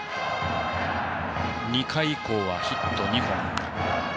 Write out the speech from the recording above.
２回以降はヒット２本。